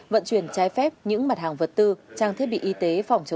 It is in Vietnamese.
vận chuyển trái phép những mặt hàng vật tư trang thiết bị y tế